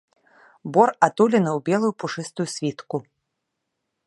Бор атулены ў белую пушыстую світку.